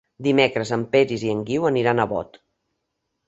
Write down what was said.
Dimecres en Peris i en Guiu aniran a Bot.